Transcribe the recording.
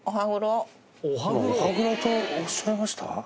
お歯黒とおっしゃいました？